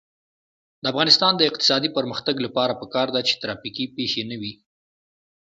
د افغانستان د اقتصادي پرمختګ لپاره پکار ده چې ترافیکي پیښې نه وي.